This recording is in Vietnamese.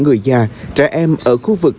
người già trẻ em ở khu vực